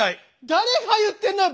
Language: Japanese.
誰が言ってんのよ